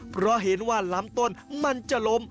เพราะเห็นว่าลำต้นมันจะล้ม